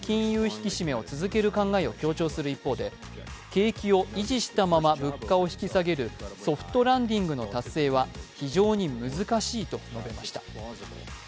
引き締めを続ける考えを強調する一方で景気を維持したまま物価を引き下げるソフトランディングの達成は非常に難しいと述べました。